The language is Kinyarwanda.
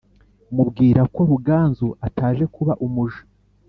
mubwira ko ruganzu ataje kuba umuja